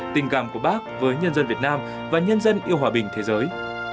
tình cảm của bác với nhân dân việt nam và nhân dân yêu hòa bình thế giới